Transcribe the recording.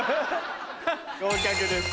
合格です。